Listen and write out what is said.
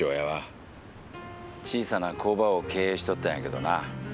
小さな工場を経営しとったんやけどな。